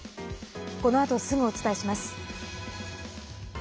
このあと、すぐお伝えします。